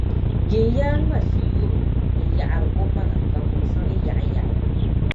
Yinyaa ŋma shi’ yuɣu n-yaɣiri omaŋa ka kumsi nyɛ yaŋyaŋ.